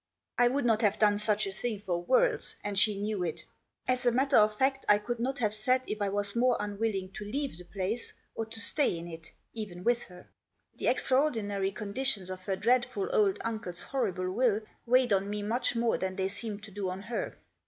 I would not have done such a thing for worlds, and She knew it. As a matter of fact I could not have said if I was more unwilling to leave the place, or to stay in it, even with her. The extraordinary conditions of her dreadful old uncle's horrible will weighed on me much more than they seemed to do on her.